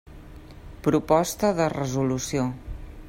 Proposta de resolució.